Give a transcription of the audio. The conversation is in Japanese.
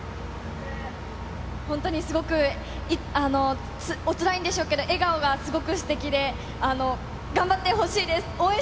本当にすごくおつらいんでしょうけど、笑顔がすごくすてきで、頑張ってほしいです。